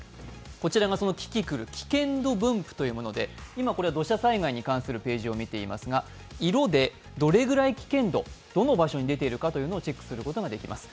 こちらがキキクル危険度分布というもので今これ土砂災害に関するページを見ていますが、色でどれぐらい危険度どの場所に出ているかをチェックすることができます。